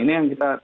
ini yang kita